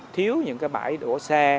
thiếu những bãi đổ xe